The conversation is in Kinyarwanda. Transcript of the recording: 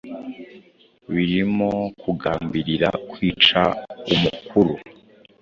birimo kugambirira kwica umukuru